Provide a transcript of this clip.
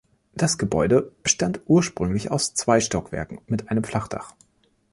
Das Gebäude bestand ursprünglich aus zwei Stockwerken mit einem Flachdach.